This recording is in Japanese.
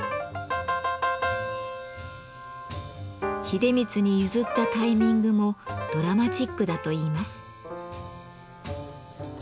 秀満に譲ったタイミングもドラマチックだといいます。